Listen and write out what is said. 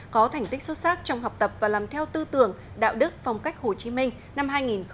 có thành tích xuất sắc trong học tập và làm theo tư tưởng đạo đức phong cách hồ chí minh năm hai nghìn một mươi tám